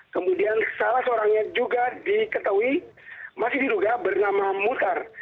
kemudian salah seorangnya juga diketahui masih diduga bernama mutar